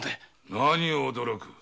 何を驚く。